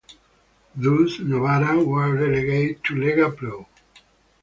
Thus, Novara were relegated to Lega Pro.